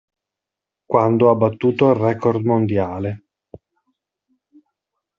Quando ha battuto il record mondiale.